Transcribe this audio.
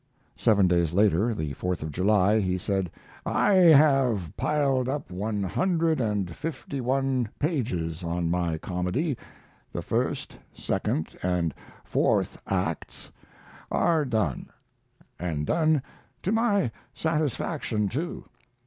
Seven days later, the Fourth of July, he said: I have piled up one hundred and fifty one pages on my comedy. The first, second and fourth acts are done, and done to my satisfaction, too.